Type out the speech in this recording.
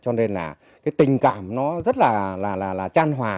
cho nên là cái tình cảm nó rất là là là là tràn hòa